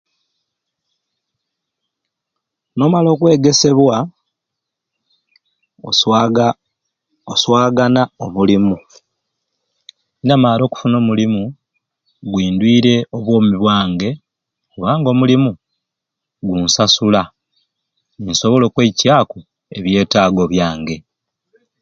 N'omala okwegesebwa oswaga... oswagana omulimu. Ninamaare okufuna omulimu gwindwire obwomi bwange kubanga omulimu gunsasula ni nsobola okweiccaaku ebyetaago byange.